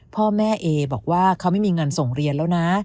พ่อแม่เอบอกว่าเขาไม่มีเงินส่งเรียนแล้วนะ